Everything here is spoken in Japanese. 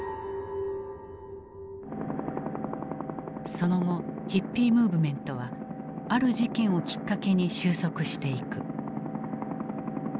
その後ヒッピー・ムーブメントはある事件をきっかけに収束していく。